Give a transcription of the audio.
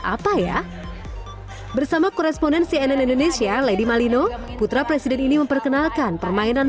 apa ya bersama koresponen cnn indonesia lady malino putra presiden ini memperkenalkan permainan